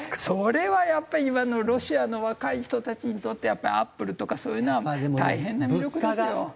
それはやっぱり今のロシアの若い人たちにとってやっぱりＡｐｐｌｅとかそういうのは大変な魅力ですよ。